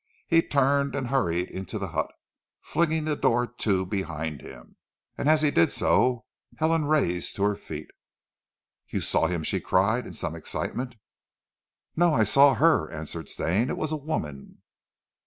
He turned and hurried into the hut, flinging the door to behind him, and as he did so, Helen rose to her feet. "You saw him?" she cried in some excitement. "No. I saw her!" answered Stane. "It was a woman."